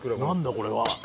これは。